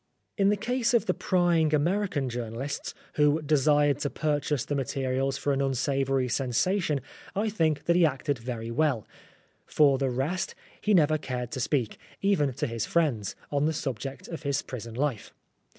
In the case of the prying American journalists, who desired to purchase the materials for an unsavoury sensation, I think that he acted very well. For the rest, 324 Oscar Wilde he never cared to speak, even to his friends, on the subject of his prison life.